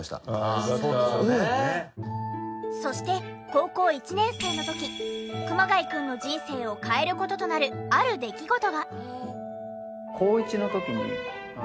そして高校１年生の時熊谷くんの人生を変える事となるある出来事が。